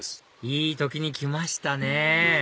いい時に来ましたね